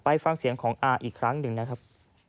ฟังเสียงของอาอีกครั้งหนึ่งนะครับ